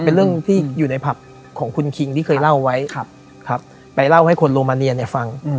เป็นเรื่องที่อยู่ในผับของคุณคิงที่เคยเล่าไว้ไปเล่าให้คนโรมาเนียเนี่ยฟัง